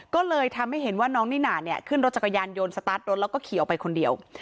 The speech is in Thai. ก็เลยทำให้เห็นว่าน้องนิน่าเนี่ยขึ้นรถจักรยานยนต์สตาร์ทรถแล้วก็ขี่ออกไปคนเดียว